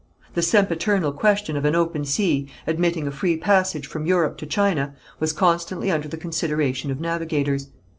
The sempiternal question of an open sea, admitting a free passage from Europe to China, was constantly under the consideration of navigators.